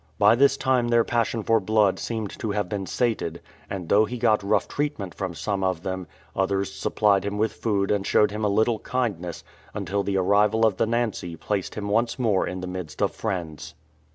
'By this time their passion for blood seemed tc have been sated, and though he got rough treatment from some of them, others supplied him with food and showed him a little kindness until the arrival of the Nancy placed him once more in the midst of friends.